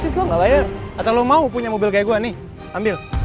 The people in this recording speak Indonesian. sampai jumpa di video selanjutnya